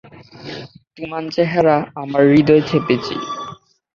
তোমান চেহারা আমার হৃদয়ে ছেপেছি।